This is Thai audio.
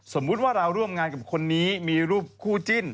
สมมุติว่าเราร่วมงานกับคนนี้มีรูปคู่จิ้น